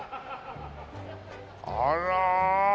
あら。